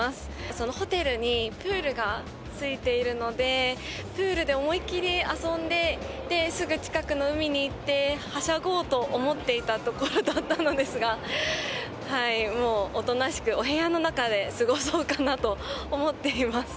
そのホテルにプールがついているので、プールで思いっ切り遊んで、で、すぐ近くの海に行って、はしゃごうと思っていたところだったのですが、もうおとなしくお部屋の中で過ごそうかなと思っています。